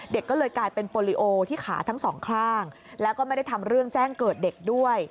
เด็กก็เลยกลายเป็นโปรลิโอที่ขาทั้งสองข้างแล้วก็ไม่ได้ทำเรื่องแจ้งเกิดเด็กด้วย